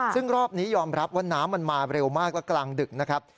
ซึ่งรอบนี้ยอมรับว่าน้ำมันมาเร็วมากและกลางดึกนะครับ